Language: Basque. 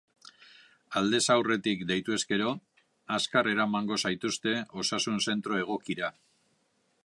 Aldez aurretik deituz gero, azkar eramango zaituzte osasun-zentro egokira.